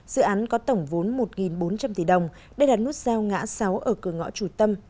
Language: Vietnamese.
dự án có tổng vốn một bốn trăm linh tỷ đồng đây là nút giao ngã sáu ở cửa ngõ chủ tâm